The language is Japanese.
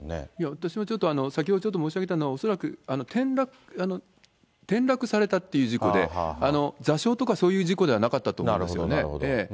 私もちょっと、先ほどちょっと申し上げたのは、恐らく転落されたっていう事故で、座礁とかそういう事故ではなかったと思うんですよね。